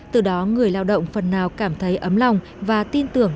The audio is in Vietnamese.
từ đó người lao động phần nào cảm thấy ấm lòng và tin tưởng